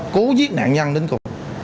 cố giết nạn nhân đến cổ